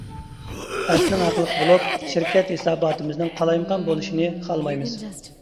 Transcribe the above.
ئەپنىڭ ھەقلىق بولۇپ، شىركەت ھېساباتىمىزنىڭ قالايمىقان بولۇشىنى خالىمايمىز.